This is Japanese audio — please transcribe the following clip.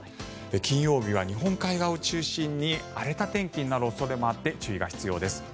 金曜日は日本海側を中心に荒れた天気になる恐れもあって注意が必要です。